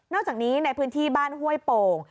จากนี้ในพื้นที่บ้านห้วยโป่ง